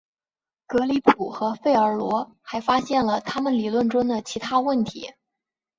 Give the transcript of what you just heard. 格里普和费尔罗还发现了他们理论中的其他问题。